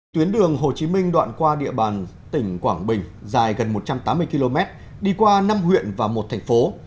tuyến đường hồ chí minh đoạn qua địa bàn tỉnh quảng bình dài gần một trăm tám mươi km đi qua năm huyện và một thành phố